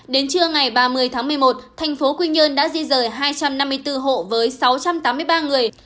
đến trưa ngày ba mươi tháng một mươi một thành phố quy nhơn đã di rời hai trăm năm mươi bốn hộ với sáu trăm tám mươi ba người